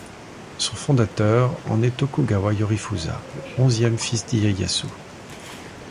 Son fondateur en est Tokugawa Yorifusa, le onzième fils d'Ieyasu.